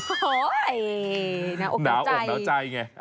โอ้ยนาวอบเหมือนใจ